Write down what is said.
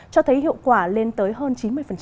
cho thấy hiệu quả lên tới hơn chín mươi